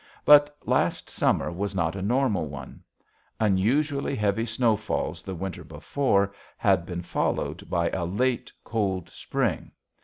But last summer was not a normal one. Unusually heavy snowfalls the winter before had been followed by a late, cold spring.